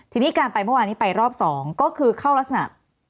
ทีนี้การไปเมื่อวานนี้ไปรอบ๒ก็คือเข้ารักษณะ